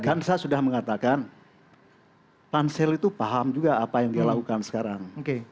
dan saya sudah mengatakan pansel itu paham juga apa yang dia lakukan sekarang